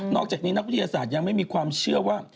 อกจากนี้นักวิทยาศาสตร์ยังไม่มีความเชื่อว่า